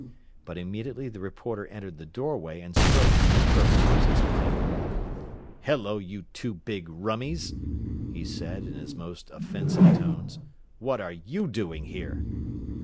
But immediately the reporter entered the doorway and spoke his purpose was explained. "Hello, you two big rummies," he said in his most offensive tones. "What are you doing here?"